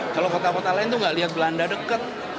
kalau kota kota lain tuh nggak lihat belanda dekat